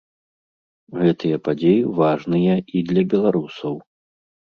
Гэтыя падзеі важныя і для беларусаў.